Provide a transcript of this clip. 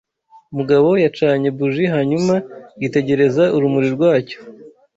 Mugabo yacanye buji hanyuma yitegereza urumuri rwacyo.